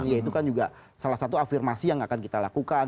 ya itu kan juga salah satu afirmasi yang akan kita lakukan